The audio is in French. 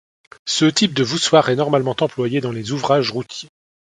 Ce type de voussoirs est normalement employé dans les ouvrages routiers.